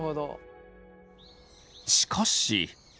しかし。